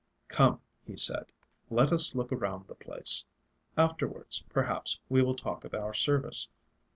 "Come," he said, "let us look around the place. Afterwards, perhaps, we will talk of our Service.